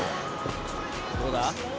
どうだ？